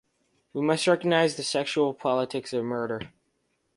We must recognize the sexual politics of murder.